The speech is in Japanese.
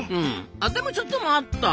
あでもちょっと待った。